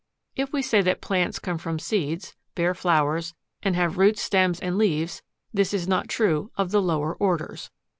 If we say that plants come from seeds, bear flowers, and have roots, stems, and leaves, this is not true of the lower orders.